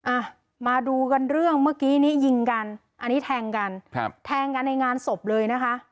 อ่ะมาดูกันเรื่องเมื่อกี้นี้ยิงกันอันนี้แทงกันครับแทงกันในงานศพเลยนะคะ